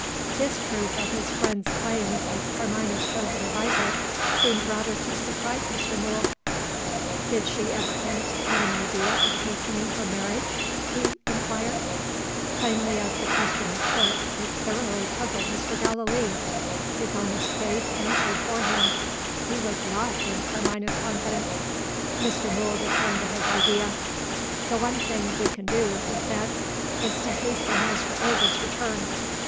This proof of his friend's claims as Carmina's chosen adviser, seemed rather to surprise Mr. Mool. "Did she ever hint at an idea of hastening her marriage?" he inquired. Plainly as the question was put, it thoroughly puzzled Mr. Gallilee. His honest face answered for him he was not in Carmina's confidence. Mr. Mool returned to his idea. "The one thing we can do," he said, "is to hasten Mr. Ovid's return.